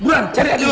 buran cari adik lo